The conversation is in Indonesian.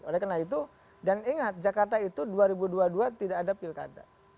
oleh karena itu dan ingat jakarta itu dua ribu dua puluh dua tidak ada pilkada